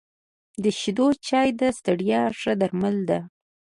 د شيدو چای د ستړیا ښه درمان ده .